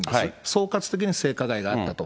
総括的に性加害があったと。